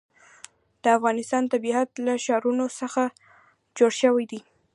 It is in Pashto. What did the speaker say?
د افغانستان طبیعت له ښارونه څخه جوړ شوی دی.